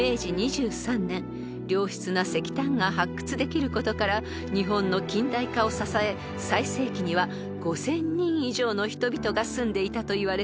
［良質な石炭が発掘できることから日本の近代化を支え最盛期には５，０００人以上の人々が住んでいたといわれています］